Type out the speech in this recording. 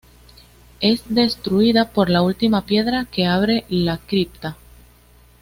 Es destruida por la última piedra que abre la cripta.